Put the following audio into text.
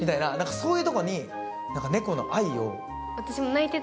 そういうところに猫の愛を。